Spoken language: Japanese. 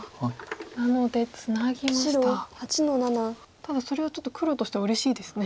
ただそれはちょっと黒としてはうれしいですね。